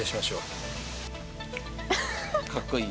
かっこいい。